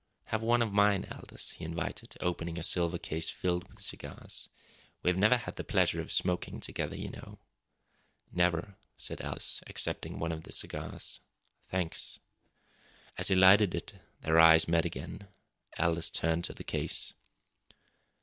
"Have one of mine, Aldous," he invited, opening a silver case filled with cigars. "We've never had the pleasure of smoking together, you know." "Never," said Aldous, accepting one of the cigars. "Thanks." As he lighted it, their eyes met again. Aldous turned to the case.